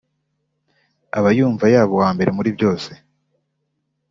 Aba yumva yaba uwa mbere muri byose